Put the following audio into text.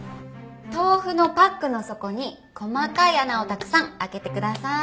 豆腐のパックの底に細かい穴をたくさん開けてください。